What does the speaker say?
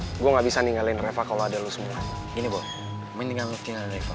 hai gue nggak bisa ninggalin reva kalau ada lu semua ini boy mendingan lu tinggalin reva